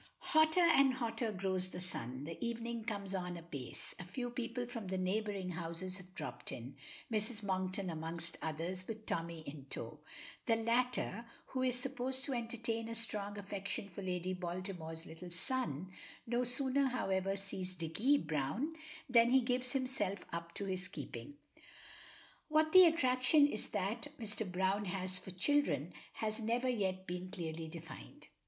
Hotter and hotter grows the sun; the evening comes on apace; a few people from the neighboring houses have dropped in; Mrs. Monkton amongst others, with Tommy in tow. The latter, who is supposed to entertain a strong affection for Lady Baltimore's little son, no sooner, however, sees Dicky Browne than he gives himself up to his keeping. What the attraction is that Mr. Browne has for children has never yet been clearly defined.